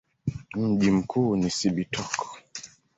Mji mkuu ni Cibitoke.